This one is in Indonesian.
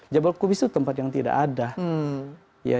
jabal kubis itu tempat yang tidak ada